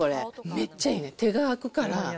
めっちゃいいねん、手が空くから。